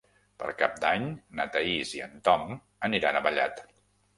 Per Cap d'Any na Thaís i en Tom aniran a Vallat.